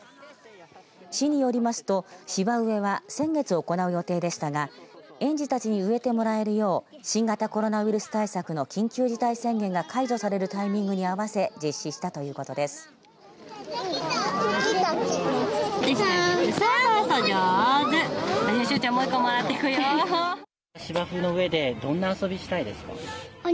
市によりますと芝植えは先月行う予定でしたが園児たちに植えてもらえるよう新型コロナウイルス対策の緊急事態宣言が解除されるタイミングに合わせ実施したということです。